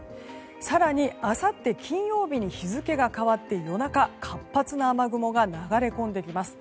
更にあさって金曜日に日付が変わって夜中活発な雨雲が流れ込んできます。